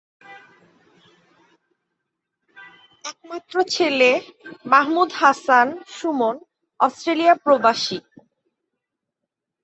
একমাত্র ছেলে মাহমুদ হাসান সুমন অস্ট্রেলিয়া প্রবাসী।